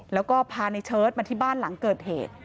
แล้วก็พาในเชิดมาที่บ้านหลังเกิดเหตุ